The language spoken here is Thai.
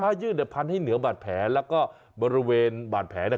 ผ้ายื่นเนี่ยพันให้เหนือบาดแผลแล้วก็บริเวณบาดแผลน่ะ